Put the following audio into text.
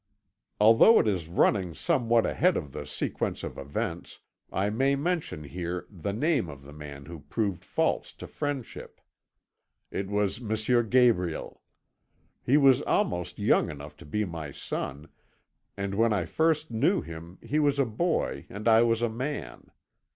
"Although it is running somewhat ahead of the sequence of events, I may mention here the name of the man who proved false to friendship. It was M. Gabriel. He was almost young enough to be my son, and when I first knew him he was a boy and I was a man.